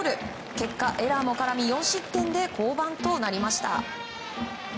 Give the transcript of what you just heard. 結果、エラーも絡み４失点で降板となりました。